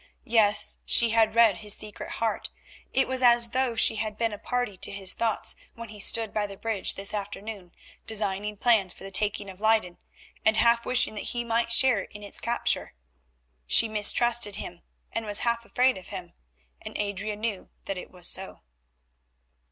Yes, she had read his secret heart; it was as though she had been a party to his thoughts when he stood by the bridge this afternoon designing plans for the taking of Leyden, and half wishing that he might share in its capture. She mistrusted him, and was half afraid of him, and Adrian knew that it was so.